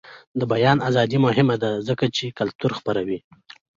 د بیان ازادي مهمه ده ځکه چې کلتور خپروي.